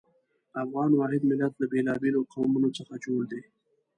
افغان واحد ملت له بېلابېلو قومونو څخه جوړ دی.